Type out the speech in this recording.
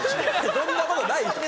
そんなことないでしょ。